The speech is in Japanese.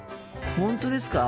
本当ですか？